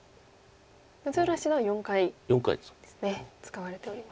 六浦七段は４回ですね使われております。